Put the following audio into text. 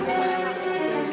tapi tante ibu